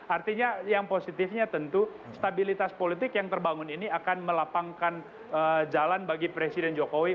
artinya yang positifnya tentu stabilitas politik yang terbangun ini akan melapangkan jalan bagi presiden jokowi